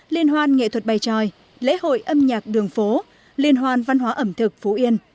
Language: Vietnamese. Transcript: liên hoan nghệ thuật bày tròi lễ hội âm nhạc đường phố liên hoàn văn hóa ẩm thực phú yên